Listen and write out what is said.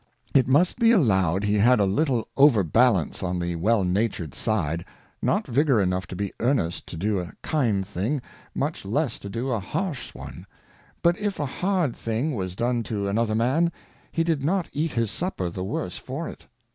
It must be allowed he had a little Over balance on the well natured Side, not Vigour enough to be earnest to do a kind Thing, much less to do a harsh one ; but if a hard thing was done to another Man, he did not eat his Supper the worse for it.